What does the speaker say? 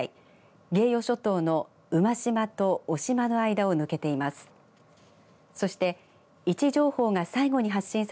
芸予諸島の馬島とおしまの間を抜けています。